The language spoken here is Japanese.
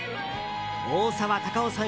大沢たかおさん